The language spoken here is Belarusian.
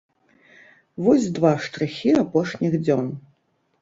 Вось два штрыхі апошніх дзён.